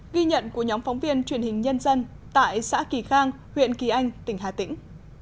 ghi nhận của nhóm phóng viên truyền hình nhân dân tại xã kỳ khang huyện kỳ anh tỉnh hà tĩnh